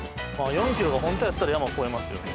４キロが本当やったら山越えますよね。